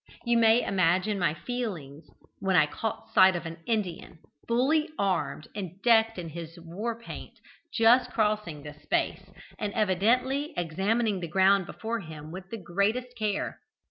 You may imagine my feelings when I caught sight of an Indian, fully armed and decked in his war paint, just crossing this space, and evidently examining the ground before him with the greatest care.